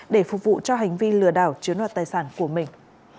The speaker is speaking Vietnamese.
để phục vụ cho hành vi lừa đảo chiếm đoạt tài sản của mình